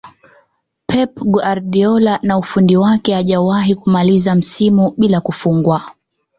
Pep Guardiola na ufundi wake hajawahi kumaliza msimu bila kufungwa